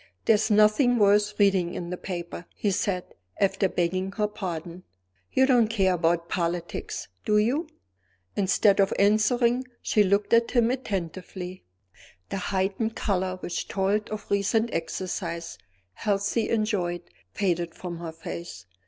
"There is nothing worth reading in the paper," he said, after begging her pardon. "You don't care about politics, do you?" Instead of answering, she looked at him attentively. The heightened color which told of recent exercise, healthily enjoyed, faded from her face.